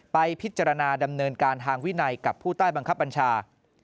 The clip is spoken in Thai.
ไปพิจารณาดำเนินการทางวินัยกับผู้ใต้บังคับบัญชา